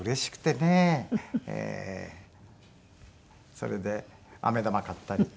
それでアメ玉買ったり。